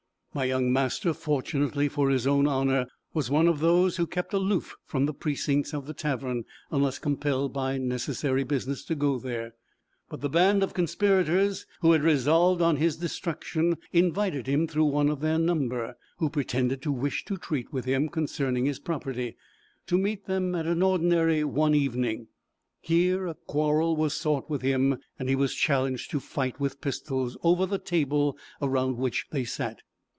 My young master, fortunately for his own honor, was of those who kept aloof from the precincts of the tavern, unless compelled by necessary business to go there; but the band of conspirators, who had resolved on his destruction, invited him through one of their number, who pretended to wish to treat with him concerning his property, to meet them at an ordinary one evening. Here a quarrel was sought with him, and he was challenged to fight with pistols, over the table around which they sat.